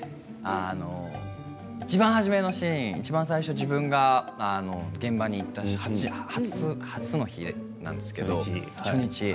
いちばん初めのシーンいちばん最初自分が現場に行った初日。